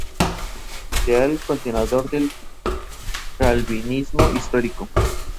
Lisa, sin embargo, se siente insegura.